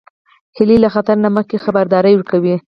هیلۍ له خطر نه مخکې خبرداری ورکوي